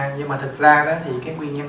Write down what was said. nhưng mà thực ra thì cái nguyên nhân